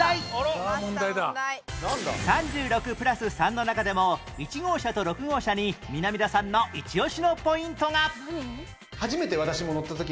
３６ぷらす３の中でも１号車と６号車に南田さんのイチオシのポイントが